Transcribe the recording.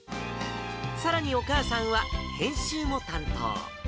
さらに、お母さんは編集も担当。